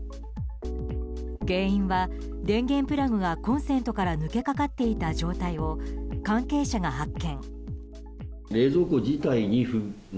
原因は、電源プラグがコンセントから抜けかかっていた状態を関係者が発見。